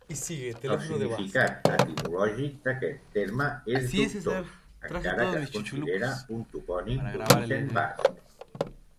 El significat etimològic d'aquest terme és dubtós, encara que es considera un topònim d'origen basc.